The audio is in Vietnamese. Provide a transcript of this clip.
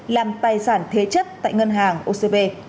làm tài sản thế chất tại ngân hàng ocb